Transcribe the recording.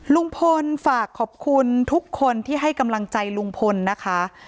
ลุงพลฝากขอบคุณทุกคนที่ให้กำลังใจลุงพลนะคะ